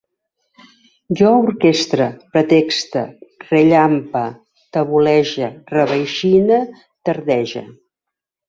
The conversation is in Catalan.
Jo orquestre, pretexte, rellampe, tabolege, reveixine, tardege